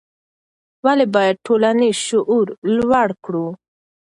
ولې باید ټولنیز شعور لوړ کړو؟